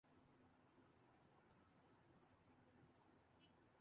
اور اردو زبان میں ایک نئی ویب سائٹ